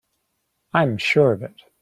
I am sure of it.